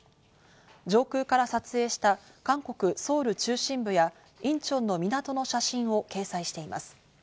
上空から撮影した韓国・ソウル中心部やインチョンの港の写真を掲載しています。